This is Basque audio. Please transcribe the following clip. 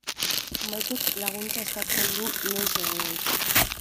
Maitek laguntza eskatzen du noiz edo noiz.